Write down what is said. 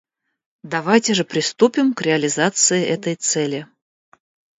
Давайте же приступим к реализации этой цели.